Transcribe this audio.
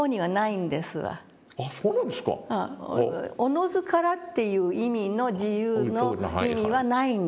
「自ずから」っていう意味の自由の意味はないんです。